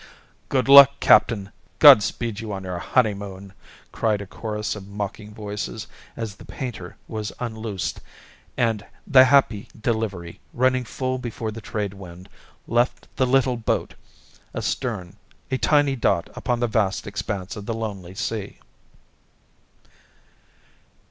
"Good luck, captain! God speed you on your honeymoon!" cried a chorus of mocking voices, as the painter was unloosed, and The Happy Delivery, running full before the trade wind, left the little boat astern, a tiny dot upon the vast expanse of the lonely sea.